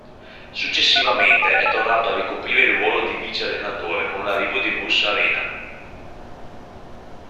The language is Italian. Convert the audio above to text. Successivamente è tornato a ricoprire il ruolo di vice-allenatore con l'arrivo di Bruce Arena.